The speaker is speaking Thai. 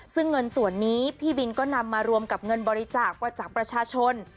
ซึ่งเงินส่วนนี้พี่บินก็นำมารวมกับเงินบริจาคมาจากประชาชน